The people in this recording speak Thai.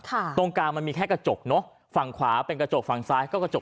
ตรงกลางมันมีแค่กระจกเนอะฝั่งขวาเป็นกระจกฝั่งซ้ายก็กระจก